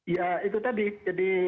ya itu tadi